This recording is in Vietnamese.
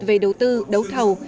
về đầu tư đấu thầu